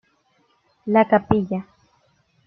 La Capilla.